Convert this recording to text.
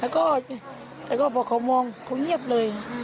แล้วก็บอกเขามองเขาเงียบเลย